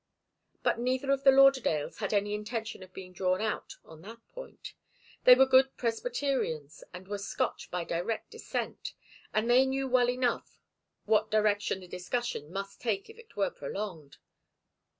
But neither of the Lauderdales had any intention of being drawn out on that point. They were good Presbyterians, and were Scotch by direct descent; and they knew well enough what direction the discussion must take if it were prolonged.